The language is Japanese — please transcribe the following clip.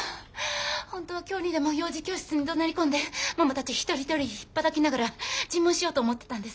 本当は今日にでも幼児教室にどなり込んでママたち一人一人ひっぱたきながら尋問しようと思ってたんです。